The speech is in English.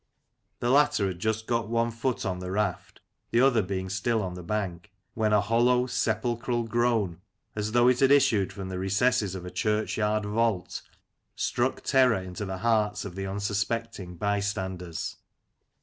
The latter had just got one foot on the raft, the other being still on the bank, when a hollow, sepulchral groan, as though it had issued from the recesses of a churchyard vault, struck terror into the hearts of the unsuspecting bystanders.